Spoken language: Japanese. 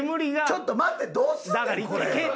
ちょっと待ってどうすんねん！？